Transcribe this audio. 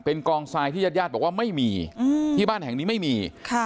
เป็นกองทรายที่ญาติญาติบอกว่าไม่มีที่บ้านแห่งนี้ไม่มี